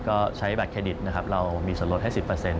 ก็ใช้บัตรเครดิตนะครับเรามีส่วนลดให้๑๐